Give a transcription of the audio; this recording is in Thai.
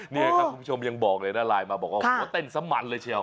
นี่ครับคุณผู้ชมยังบอกเลยนะไลน์มาบอกว่าหัวเต้นสมันเลยเชียว